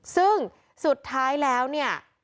ซึ่งสุดท้ายแล้วเนี่ย